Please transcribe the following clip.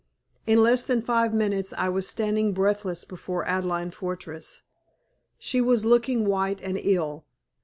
In less than five minutes I was standing breathless before Adelaide Fortress. She was looking white and ill.